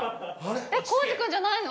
えっ耕司君じゃないの？